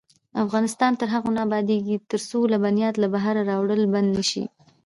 افغانستان تر هغو نه ابادیږي، ترڅو لبنیات له بهره راوړل بند نشي.